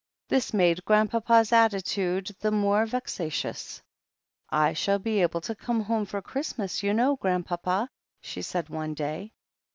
This made Grandpapa's attitude the more vexatious. "I shall be able to come home for Christmas, you know, Grandpapa," she said one day.